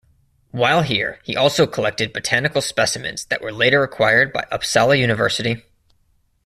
While here, he also collected botanical specimens that were later acquired by Uppsala University.